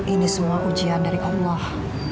ini semua ujian dari allah